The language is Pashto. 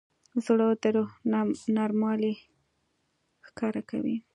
زړه د روح نرموالی ښکاره کوي.